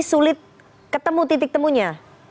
sulit ketemu titik temunya